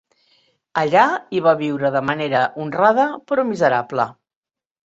Allà hi va viure de manera honrada, però miserable.